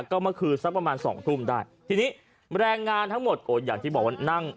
ก็เมื่อคืนสักประมาณสองทุ่มได้ทีนี้แรงงานทั้งหมดโอ้อย่างที่บอกว่านั่ง